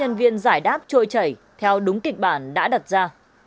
các nữ nhân viên giải đáp trôi chảy theo đúng kịch bản đã đặt ra